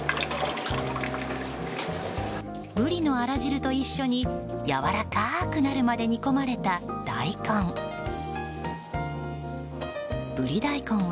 ブリのあら汁と一緒にやわらかくなるまで煮込まれた大根。